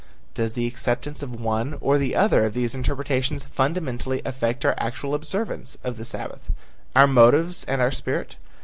Does the acceptance of one or the other of these interpretations fundamentally affect our actual observance of the Sabbath? Our motives and our spirit?